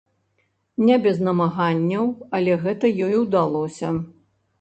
Не без намаганняў, але гэта ёй удалося.